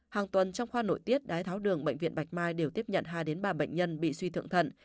hàng tuần trong khoa nội tiết đái tháo đường bệnh viện bạch mai đều tiếp nhận hai ba bệnh nhân bị suy thượng thận